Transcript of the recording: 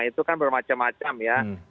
itu kan bermacam macam ya